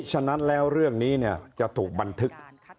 ฉะนั้นแล้วเรื่องนี้จะถูกบันทึก